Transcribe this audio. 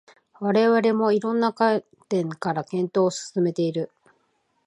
我々も色々な観点から検討を進めている